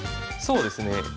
そうですね。